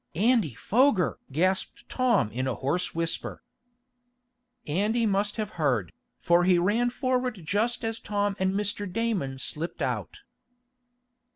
"Andy Foger!" gasped Tom in a hoarse whisper. Andy must have heard, for he ran forward just as Tom and Mr. Damon slipped out.